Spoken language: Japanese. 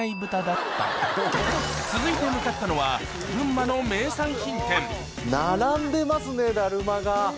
続いて向かったのは群馬の名産品店並んでますねだるまが。